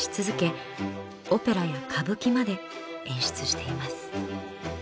オペラや歌舞伎まで演出しています。